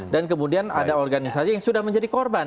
dan kemudian ada organisasi yang sudah menjadi korban